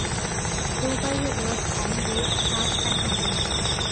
Go by the road and waste half an hour!